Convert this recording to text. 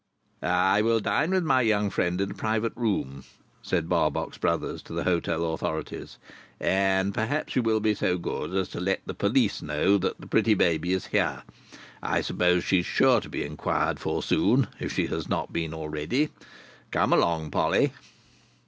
"I will dine with my young friend in a private room," said Barbox Brothers to the hotel authorities, "and perhaps you will be so good as let the police know that the pretty baby is here. I suppose she is sure to be inquired for, soon, if she has not been already. Come along, Polly."